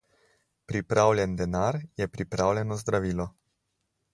Pripravljen denar je pripravljeno zdravilo.